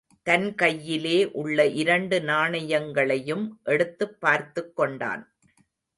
தன் கையிலே உள்ள இரண்டு நாணயங்களையும் எடுத்துப் பார்த்துக் கொண்டான்.